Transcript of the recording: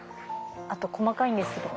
あと細かいんですけど。